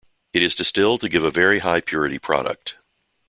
It is distilled to give a very high-purity product.